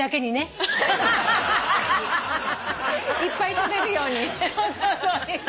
そうそういっぱい撮れるように。